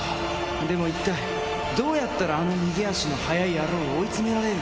でも一体、どうやったらあのにげあしのはやい野郎を追い詰められる？